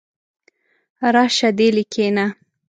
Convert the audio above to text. راشه دلې کښېنه!